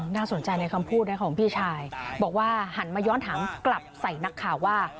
น่าสนใจในคำพูดนะของพี่ชายบอกว่าหันมาย้อนถามกลับใส่นักข่าวว่า